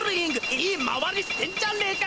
いい回りしてんじゃねえか！